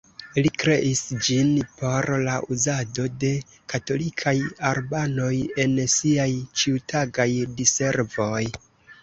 Li kreis ĝin por la uzado de katolikaj albanoj en siaj ĉiutagaj diservoj.